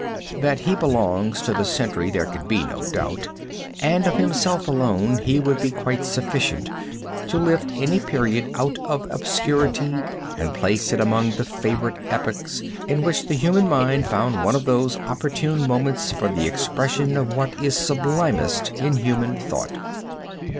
That he belongs to the century there can be no doubt, and of himself alone he would be quite sufficient to lift any period out of obscurity and place it among the favorite epochs, in which the human mind found one of those opportune moments for the expression of what is sublimest in human thought.